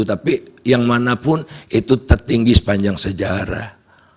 tapi yang manapun itu tertinggi sepanjang sejarah